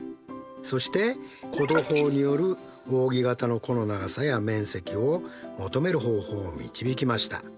そして弧度法によるおうぎ形の弧の長さや面積を求める方法を導きました。